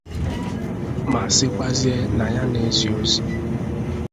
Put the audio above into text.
ma sikwazie na ya na-ezi ozi